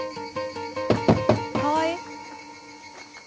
・川合？